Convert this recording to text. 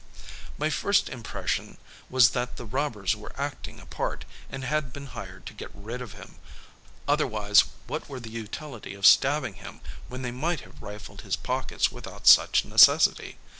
My first impression was that the robbers were acting a part, and had been hired to get rid of him, otherwise what were the utility of stabbing him, when they might have rifled his pockets without such necessity?